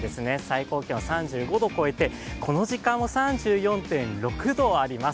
最高気温３５度を超えてこの時間も３６．４度あります。